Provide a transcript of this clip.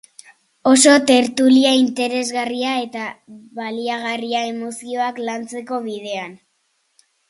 Oso tertulia interesgarria eta baliagarria emozioak lantzeko bidean.